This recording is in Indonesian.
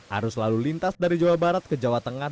arus lalu lintas dari jawa barat ke jawa tengah